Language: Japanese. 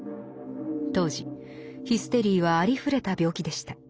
当時ヒステリーはありふれた病気でした。